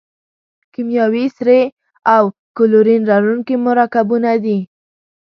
کیمیاوي سرې او کلورین لرونکي مرکبونه دي.